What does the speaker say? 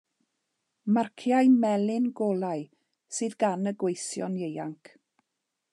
Marciau melyn golau sydd gan y gweision ieuanc.